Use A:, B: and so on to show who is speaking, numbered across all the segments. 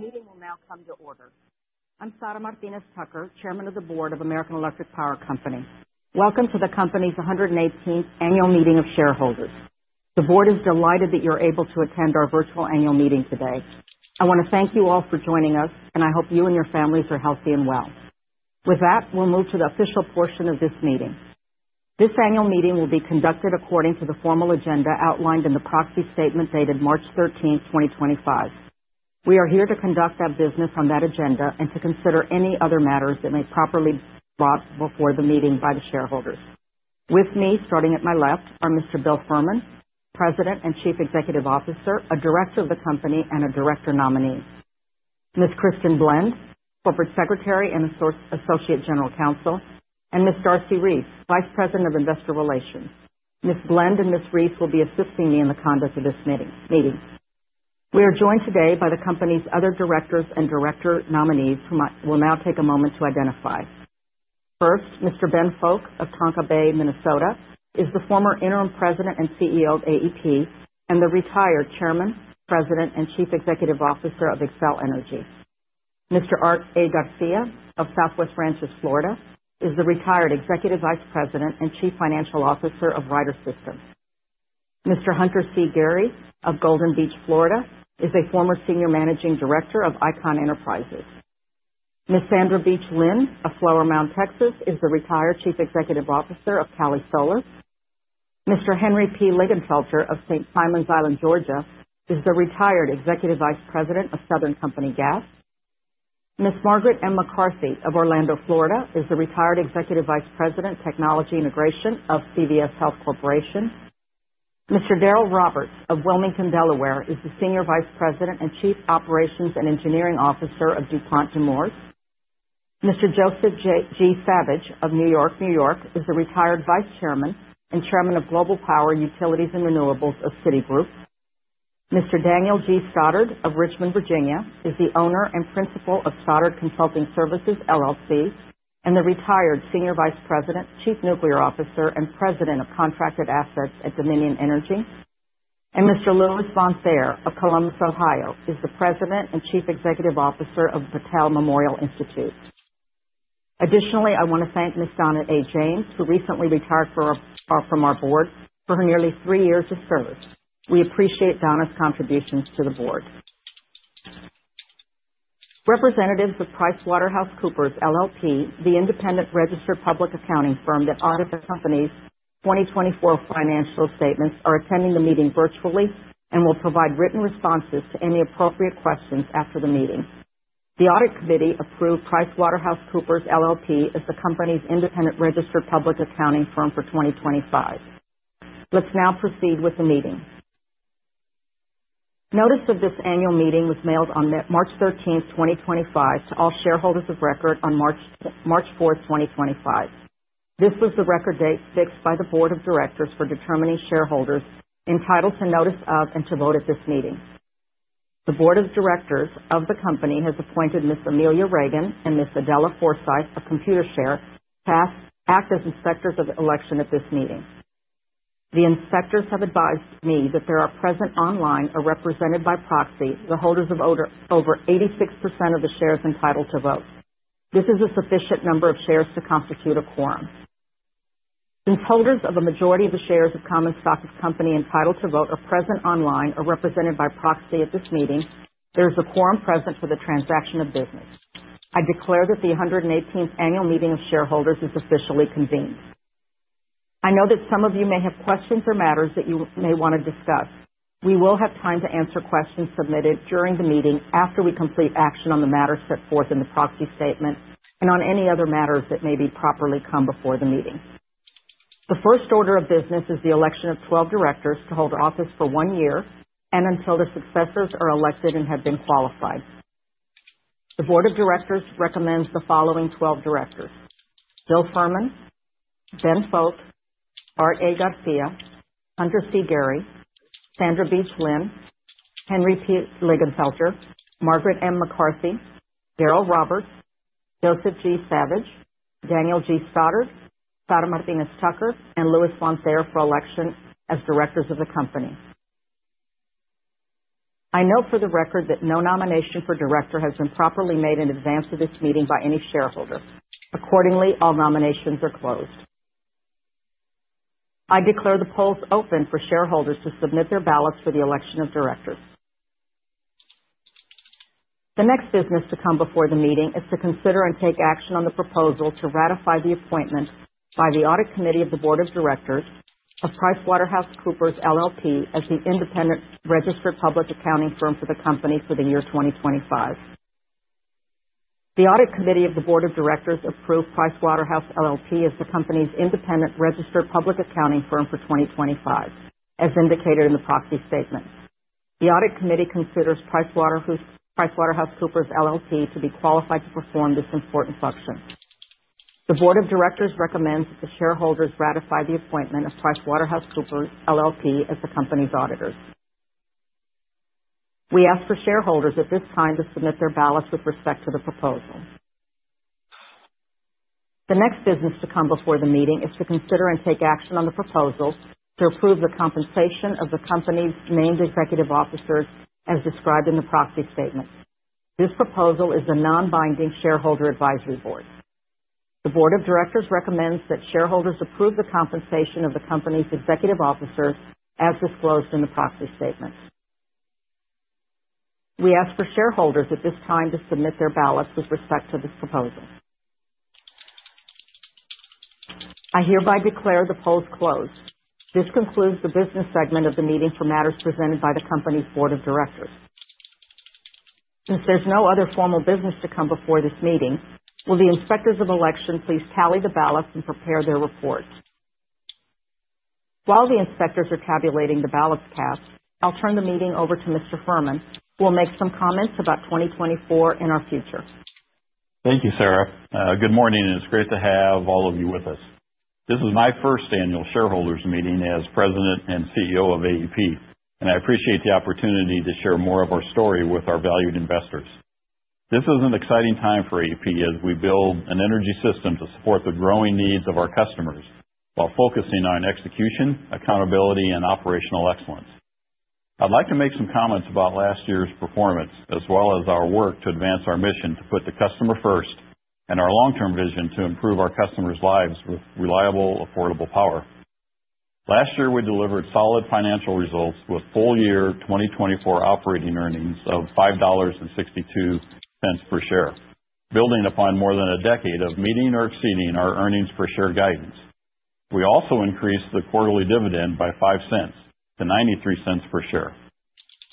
A: Meeting will now come to order. I'm Sara Martinez Tucker, Chairman of the Board of American Electric Power Company. Welcome to the company's 118th Annual Meeting of Shareholders. The board is delighted that you're able to attend our virtual annual meeting today. I want to thank you all for joining us, and I hope you and your families are healthy and well. With that, we'll move to the official portion of this meeting. This annual meeting will be conducted according to the formal agenda outlined in the proxy statement dated March 13, 2025. We are here to conduct our business on that agenda and to consider any other matters that may properly be brought before the meeting by the shareholders. With me, starting at my left, are Mr. Bill Fehrman, President and Chief Executive Officer, a Director of the Company, and a Director Nominee; Ms. Kristin Glenn, Corporate Secretary and Associate General Counsel; and Ms. Darcy Reese, Vice President of Investor Relations. Ms. Glenn and Ms. Reese will be assisting me in the conduct of this meeting. We are joined today by the company's other directors and director nominees whom I will now take a moment to identify. First, Mr. Ben Fowke of Tonka Bay, Minnesota, is the former interim president and CEO of AEP, and the retired chairman, president, and chief executive officer of Xcel Energy. Mr. Art A. Garcia of Southwest Ranches, Florida, is the retired executive vice president and chief financial officer of Ryder System. Mr. Hunter C. Gary of Golden Beach, Florida, is a former senior managing director of Icon Enterprises. Ms. Sandra Beach Lin, of Flower Mound, Texas, is the retired chief executive officer of Calisolar. Mr. Henry P. Linginfelter of St. Simons Island, Georgia, is the retired executive vice president of Southern Company Gas. Ms. Margaret M. McCarthy of Orlando, Florida, is the retired executive vice president, technology integration of CVS Health Corporation. Mr. Darryl Roberts of Wilmington, Delaware, is the senior vice president and chief operations and engineering officer of DuPont de Nemours. Mr. Joseph J. Sauvage of New York, New York, is the retired vice chairman and chairman of Global Power Utilities and Renewables of Citigroup. Mr. Daniel G. Stoddard of Richmond, Virginia, is the owner and principal of Stoddard Consulting Services LLC, and the retired senior vice president, chief nuclear officer, and president of contracted assets at Dominion Energy. Mr. Lewis Von Thaer of Columbus, Ohio, is the president and chief executive officer of Battelle Memorial Institute. Additionally, I want to thank Ms. Donna A. James, who recently retired from our board for nearly three years of service. We appreciate Donna's contributions to the board. Representatives of PricewaterhouseCoopers LLP, the independent registered public accounting firm that audits the company's 2024 financial statements, are attending the meeting virtually and will provide written responses to any appropriate questions after the meeting. The audit committee approved PricewaterhouseCoopers LLP as the company's independent registered public accounting firm for 2025. Let's now proceed with the meeting. Notice of this annual meeting was mailed on March 13, 2025, to all shareholders of record on March 4, 2025. This was the record date fixed by the board of directors for determining shareholders entitled to notice of and to vote at this meeting. The board of directors of the company has appointed Ms. Amelia Reagan and Ms. Adela Forsythe of Computershare to act as inspectors of election at this meeting. The inspectors have advised me that there are present online or represented by proxy the holders of over 86% of the shares entitled to vote. This is a sufficient number of shares to constitute a quorum. Since holders of a majority of the shares of Common Stock of Company entitled to vote are present online or represented by proxy at this meeting, there is a quorum present for the transaction of business. I declare that the 118th Annual Meeting of Shareholders is officially convened. I know that some of you may have questions or matters that you may want to discuss. We will have time to answer questions submitted during the meeting after we complete action on the matters set forth in the proxy statement and on any other matters that may properly come before the meeting. The first order of business is the election of 12 directors to hold office for one year and until their successors are elected and have been qualified. The board of directors recommends the following 12 directors: Bill Fehrman, Ben Fowke, Art A. Garcia, Hunter C. Gary, Sandra Beach Lin, Henry P. Linginfelter, Margaret M. McCarthy, Darryl Roberts, Joseph J. Sauvage, Daniel G. Stoddard, Sara Martinez Tucker, and Lewis Von Thaer for election as directors of the company. I note for the record that no nomination for director has been properly made in advance of this meeting by any shareholder. Accordingly, all nominations are closed. I declare the polls open for shareholders to submit their ballots for the election of directors. The next business to come before the meeting is to consider and take action on the proposal to ratify the appointment by the audit committee of the board of directors of PricewaterhouseCoopers LLP, as the independent registered public accounting firm for the company for the year 2025. The audit committee of the board of directors approved PricewaterhouseCoopers LLP as the company's independent registered public accounting firm for 2025, as indicated in the proxy statement. The audit committee considers PricewaterhouseCoopers LLP to be qualified to perform this important function. The board of directors recommends that the shareholders ratify the appointment of PricewaterhouseCoopers LLP as the company's auditors. We ask for shareholders at this time to submit their ballots with respect to the proposal. The next business to come before the meeting is to consider and take action on the proposal to approve the compensation of the company's named executive officers as described in the proxy statement. This proposal is a non-binding shareholder advisory vote. The board of directors recommends that shareholders approve the compensation of the company's executive officers as disclosed in the proxy statement. We ask for shareholders at this time to submit their ballots with respect to this proposal. I hereby declare the polls closed. This concludes the business segment of the meeting for matters presented by the company's board of directors. Since there's no other formal business to come before this meeting, will the inspectors of election please tally the ballots and prepare their reports? While the inspectors are tabulating the ballots cast, I'll turn the meeting over to Mr. Fehrman, who will make some comments about 2024 and our future.
B: Thank you, Sarah. Good morning, and it's great to have all of you with us. This is my first annual shareholders meeting as President and CEO of AEP, and I appreciate the opportunity to share more of our story with our valued investors. This is an exciting time for AEP as we build an energy system to support the growing needs of our customers while focusing on execution, accountability, and operational excellence. I'd like to make some comments about last year's performance as well as our work to advance our mission to put the customer first and our long-term vision to improve our customers' lives with reliable, affordable power. Last year, we delivered solid financial results with full-year 2024 operating earnings of $5.62 per share, building upon more than a decade of meeting or exceeding our earnings per share guidance. We also increased the quarterly dividend by $0.05 to $0.93 per share.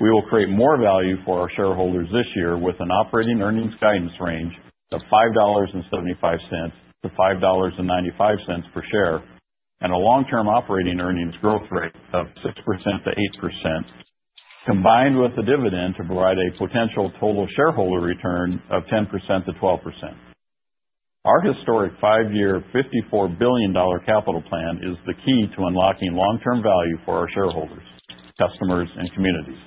B: We will create more value for our shareholders this year with an operating earnings guidance range of $5.75-$5.95 per share and a long-term operating earnings growth rate of 6%-8%, combined with the dividend to provide a potential total shareholder return of 10%-12%. Our historic five-year $54 billion capital plan is the key to unlocking long-term value for our shareholders, customers, and communities.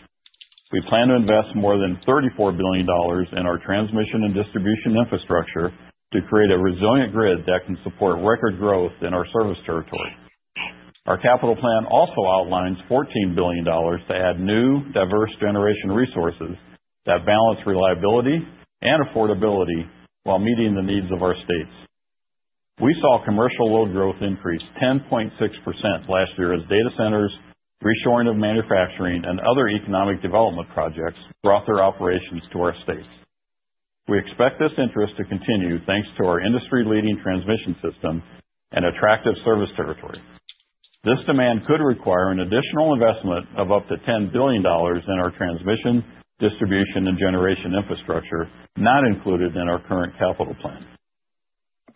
B: We plan to invest more than $34 billion in our transmission and distribution infrastructure to create a resilient grid that can support record growth in our service territory. Our capital plan also outlines $14 billion to add new, diverse generation resources that balance reliability and affordability while meeting the needs of our states. We saw commercial load growth increase 10.6% last year as data centers, reshoring of manufacturing, and other economic development projects brought their operations to our states. We expect this interest to continue thanks to our industry-leading transmission system and attractive service territory. This demand could require an additional investment of up to $10 billion in our transmission, distribution, and generation infrastructure not included in our current capital plan.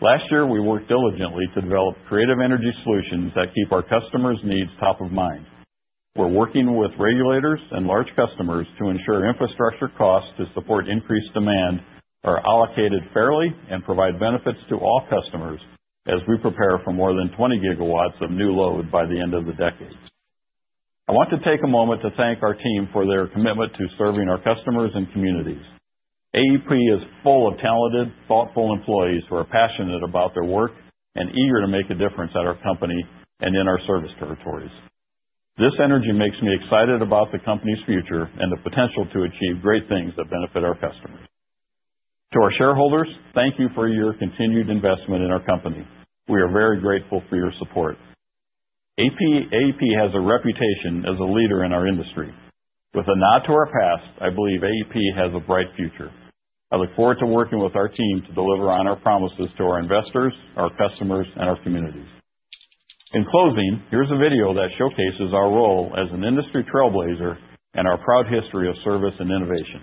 B: Last year, we worked diligently to develop creative energy solutions that keep our customers' needs top of mind. We're working with regulators and large customers to ensure infrastructure costs to support increased demand are allocated fairly and provide benefits to all customers as we prepare for more than 20 gigawatts of new load by the end of the decade. I want to take a moment to thank our team for their commitment to serving our customers and communities. AEP is full of talented, thoughtful employees who are passionate about their work and eager to make a difference at our company and in our service territories. This energy makes me excited about the company's future and the potential to achieve great things that benefit our customers. To our shareholders, thank you for your continued investment in our company. We are very grateful for your support. AEP has a reputation as a leader in our industry. With a nod to our past, I believe AEP has a bright future. I look forward to working with our team to deliver on our promises to our investors, our customers, and our communities. In closing, here's a video that showcases our role as an industry trailblazer and our proud history of service and innovation.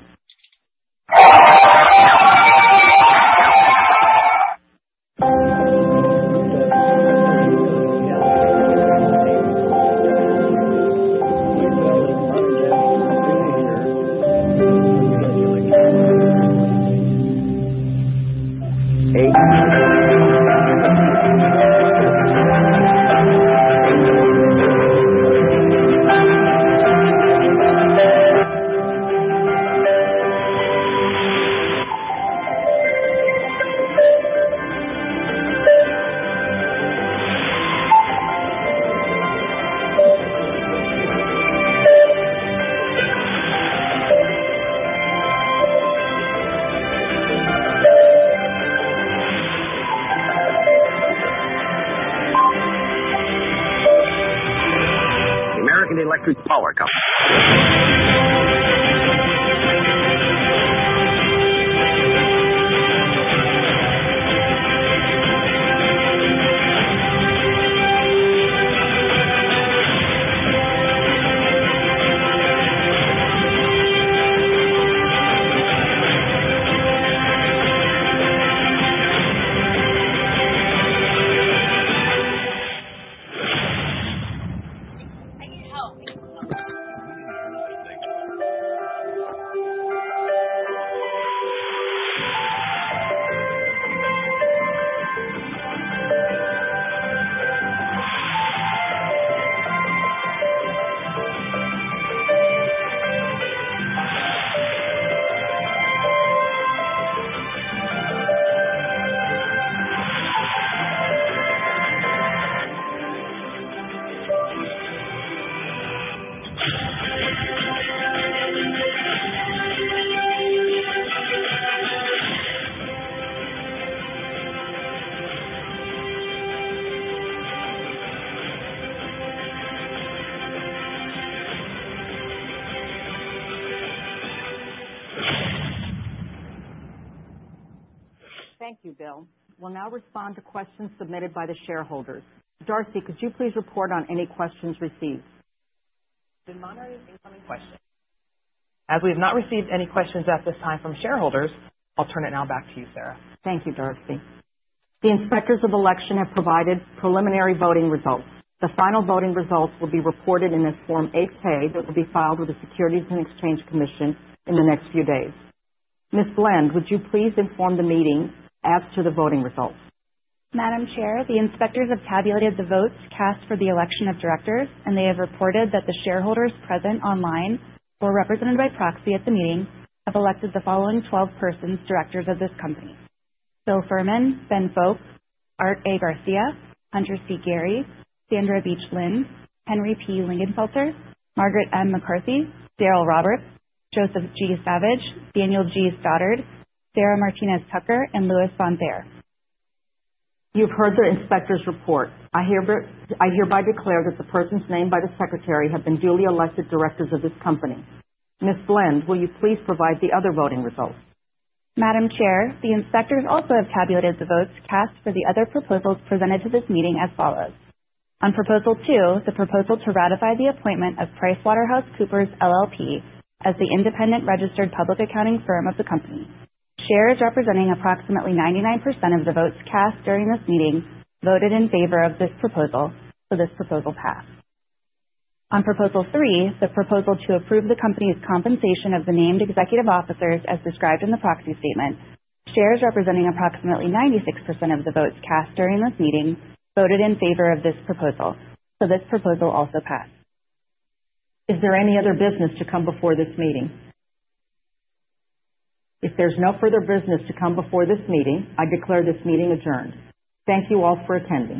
C: The American Electric Power Company.
A: Thank you, Bill. We'll now respond to questions submitted by the shareholders. Darcy, could you please report on any questions received?
D: Good morning. Incoming question. As we have not received any questions at this time from shareholders, I'll turn it now back to you, Sara.
A: Thank you, Darcy. The inspectors of election have provided preliminary voting results. The final voting results will be reported in a Form 8-K that will be filed with the Securities and Exchange Commission in the next few days. Ms. Glenn, would you please inform the meeting as to the voting results?
E: Madam Chair, the inspectors have tabulated the votes cast for the election of directors, and they have reported that the shareholders present online or represented by proxy at the meeting have elected the following 12 persons directors of this company: Bill Fehrman, Ben Fowke, Art A. Garcia, Hunter C. Gary, Sandra Beach Lin, Henry P. Linginfelter, Margaret M. McCarthy, Darryl Roberts, Joseph J. Sauvage, Daniel G. Stoddard, Sara Martinez Tucker, and Lewis Vonfire.
D: You've heard the inspectors report. I hereby declare that the persons named by the secretary have been duly elected directors of this company. Ms. Glenn, will you please provide the other voting results?
E: Madam Chair, the inspectors also have tabulated the votes cast for the other proposals presented to this meeting as follows. On Proposal 2, the proposal to ratify the appointment of PricewaterhouseCoopers LLP as the independent registered public accounting firm of the company. Shares representing approximately 99% of the votes cast during this meeting voted in favor of this proposal, so this proposal passed. On Proposal 3, the proposal to approve the company's compensation of the named executive officers as described in the proxy statement. Shares representing approximately 96% of the votes cast during this meeting voted in favor of this proposal, so this proposal also passed.
A: Is there any other business to come before this meeting? If there's no further business to come before this meeting, I declare this meeting adjourned. Thank you all for attending.